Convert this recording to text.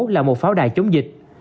là một pháo đài chống dịch